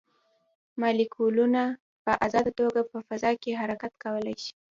مالیکولونه په ازاده توګه په فضا کې حرکت کولی شي.